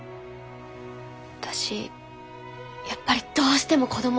私やっぱりどうしても子ども欲しい。